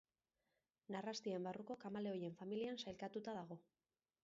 Narrastien barruko kameleoien familian sailkatuta dago.